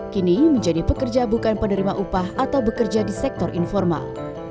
kini menjadi pekerja bukan penerima upah atau bekerja di sektor informal